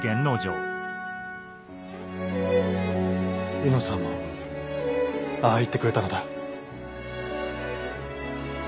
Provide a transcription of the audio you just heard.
卯之さんもああ言ってくれたのだ。